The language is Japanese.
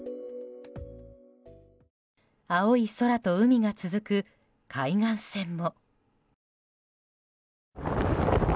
青い空と海が続く海岸線も。